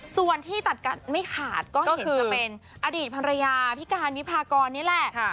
ส่วนที่ตัดกันไม่ขาดก็คือจะเป็นอดีตภรรยาพี่การวิพากรนี่แหละ